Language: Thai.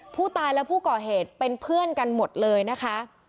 ผู้ตายและผู้ก่อเหตุเป็นเพื่อนกันหมดเลยนะคะ